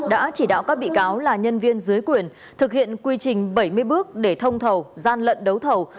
đã chỉ đạo các bị cáo là nhân viên dưới quyền thực hiện quy trình bảy mươi bước để thông thầu gian lận đấu thầu